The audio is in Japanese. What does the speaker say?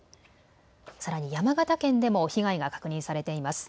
さらに山形県でも被害が確認されています。